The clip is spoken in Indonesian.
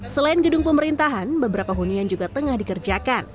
selain gedung pemerintahan beberapa hunian juga tengah dikerjakan